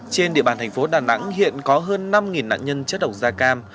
trên địa bàn thành phố đà nẵng hiện có hơn năm nạn nhân chất độc da cam